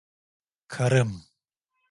Karım.